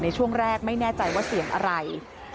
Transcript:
ในช่วงแรกไม่แน่ใจว่าเสียงอะไร